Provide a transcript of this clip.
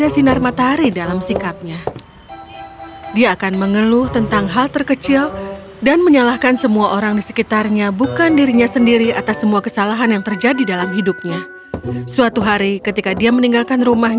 si orang tua pemarah